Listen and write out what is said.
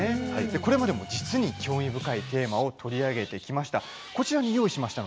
これまでにも実に興味深いテーマを取り上げてきました。